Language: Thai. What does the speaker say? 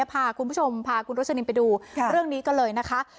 พาคุณผู้ชมพาคุณรสนิมไปดูเรื่องนี้กันเลยนะคะ